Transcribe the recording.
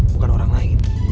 bukan orang lain